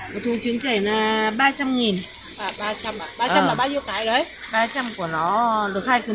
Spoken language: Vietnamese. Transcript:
một thùng trứng chảy là ba trăm linh nghìn